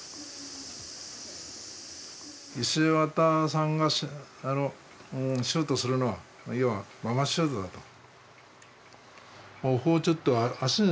石渡さんがシュートするのは要はママシュートだと。